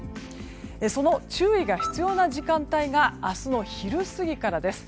その注意が必要な時間帯が明日の昼過ぎからです。